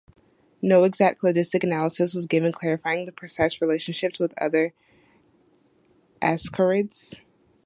No exact cladistic analysis was given clarifying the precise relationships with other azhdarchids.